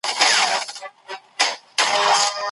موږ وختونه پېژنو.